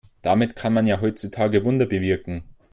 Damit kann man ja heutzutage Wunder bewirken.